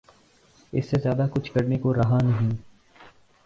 اس سے زیادہ کچھ کرنے کو رہا نہیں۔